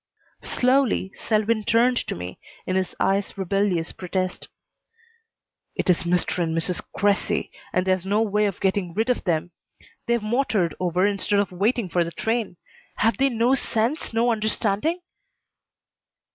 Slowly Selwyn turned to me, in his eyes rebellious protest. "It is Mr. and Mrs. Cressy, and there's no way of getting rid of them. They've motored over instead of waiting for the train. Have they no sense, no understanding?"